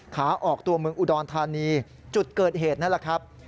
ขาออกตัวเมืองอุดรธานีจุดเกิดเหตุนั่นแหละครับ